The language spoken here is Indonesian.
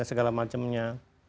dan segala macamnya